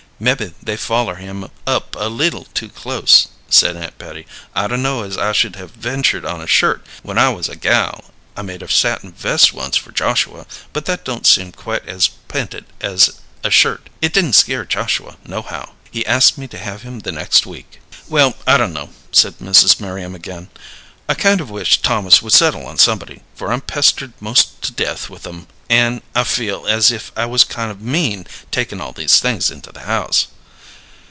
"Mebbe they foller him up a leetle too close," said Aunt Betty. "I dun'no' as I should have ventured on a shirt when I was a gal. I made a satin vest once for Joshua, but that don't seem quite as p'inted as a shirt. It didn't scare Joshua, nohow. He asked me to have him the next week." "Well, I dun'no'," said Mrs. Merriam again. "I kind of wish Thomas would settle on somebody, for I'm pestered most to death with 'em, an' I feel as if 't was kind of mean takin' all these things into the house."